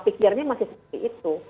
pikirnya masih seperti itu